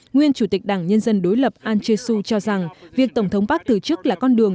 nguyên chủ tịch đảng nhân dân đối lập an che su cho rằng việc tổng thống park tử chức là con đường